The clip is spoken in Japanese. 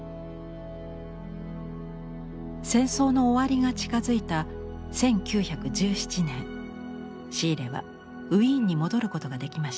戦争の終わりが近づいた１９１７年シーレはウィーンに戻ることができました。